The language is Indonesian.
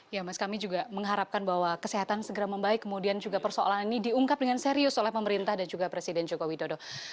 ya mas kami juga mengharapkan bahwa kesehatan segera membaik kemudian juga persoalan ini diungkap dengan serius oleh pemerintah dan juga presiden joko widodo